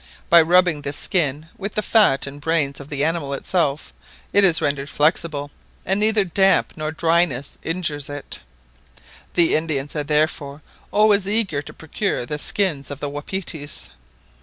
By rubbing this skin with the fat and brains of the animal itself, it is rendered flexible, and neither damp nor dryness injures it. The Indians are therefore always eager to procure the skins of the wapitis."